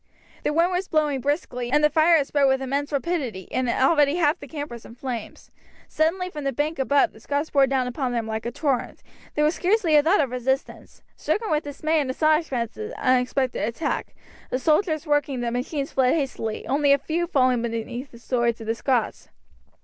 The wind was blowing briskly and the fire had spread with immense rapidity, and already half the camp was in flames. Suddenly from the bank above the Scots poured down upon them like a torrent. There was scarcely a thought of resistance. Stricken with dismay and astonishment at this unexpected attack, the soldiers working the machines fled hastily, only a few falling beneath the swords of the Scots.